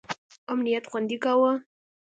امنیت خوندي کاوه.